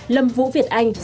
lâm vũ việt anh